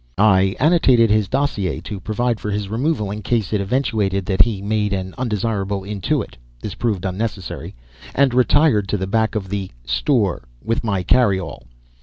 I annotated his dossier to provide for his removal in case it eventuated that he had made an undesirable intuit (this proved unnecessary) and retired to the back of the "store" with my carry all.